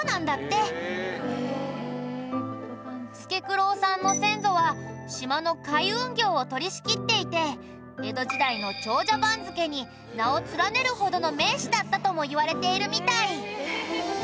助九郎さんの先祖は島の海運業を取り仕切っていて江戸時代の長者番付に名を連ねるほどの名士だったともいわれているみたい。